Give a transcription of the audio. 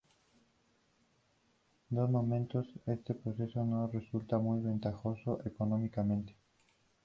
De momento este proceso no resulta muy ventajoso económicamente.